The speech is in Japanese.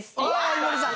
井森さん！